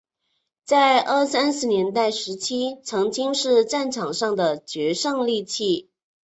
在二三十年代时期曾经是战场上的决胜利器。